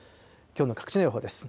きょうの各地の予報です。